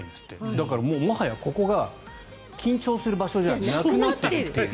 だから、ここが緊張する場所じゃなくなっている。